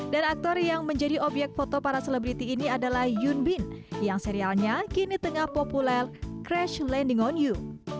dan aktor yang menjadi obyek foto para selebriti ini adalah yoon bin yang serialnya kini tengah populer crash landing on you